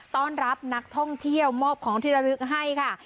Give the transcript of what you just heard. ต้อนรับนักท่องเที่ยวมอบของที่ระลึกให้ค่ะ